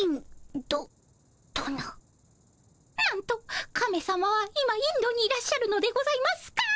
なんとカメさまは今インドにいらっしゃるのでございますか？